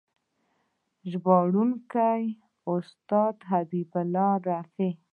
ژباړونکی: استاد حبیب الله رفیع